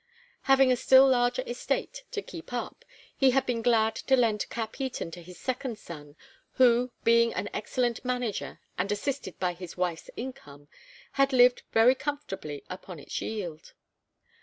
Having a still larger estate to keep up, he had been glad to lend Capheaton to his second son, who, being an excellent manager and assisted by his wife's income, had lived very comfortably upon its yield.